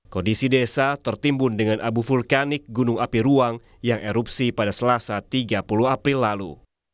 kondisi desa tertimbun dengan abu vulkanik gunung api ruang yang erupsi pada selasa tiga puluh april lalu